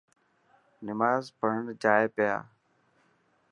نماز پڙهڻ جائي پيا.